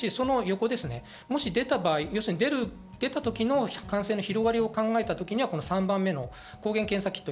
もし出た場合、感染の広がりを考えるときには３番目の抗原検査のキット。